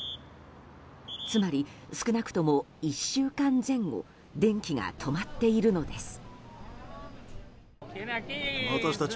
つまり、少なくとも１週間前後電気が止まっているのです。